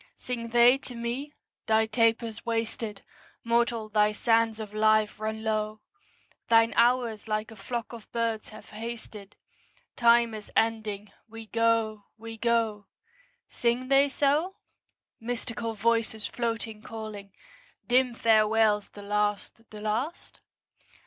Sing they to me? 'Thy taper's wasted; Mortal, thy sands of life run low; Thine hours like a flock of birds have hasted: Time is ending; we go, we go.' Sing they so? Mystical voices, floating, calling; Dim farewells the last, the last?